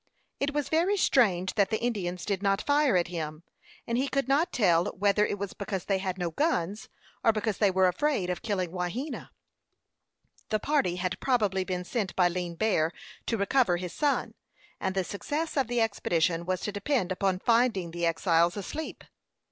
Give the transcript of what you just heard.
It was very strange that the Indians did not fire at him, and he could not tell whether it was because they had no guns, or because they were afraid of killing Wahena. The party had probably been sent by Lean Bear to recover his son, and the success of the expedition was to depend upon finding the exiles asleep.